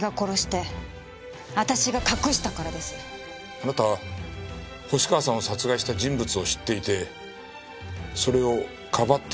あなたは星川さんを殺害した人物を知っていてそれをかばっているんじゃないんですか？